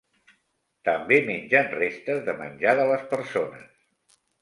També mengen restes de menjar de les persones.